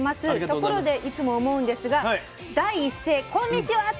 ところでいつも思うんですが第一声『こんにちは』って始めてます。